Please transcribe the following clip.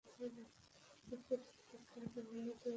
অপ্রতুল শিক্ষার কারণে তিনি যথাযথ শিক্ষায় শিক্ষিত হতে পারেননি।